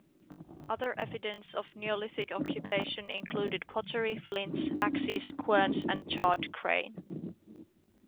Other evidence of neolithic occupation included pottery, flints, axes, querns and charred grain.